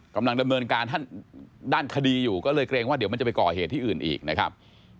กำลังดำเนินการด้านคดีอยู่ก็เลยเกรงว่าเดี๋ยวมันจะไปก่อเหตุที่อื่นอีกนะครับ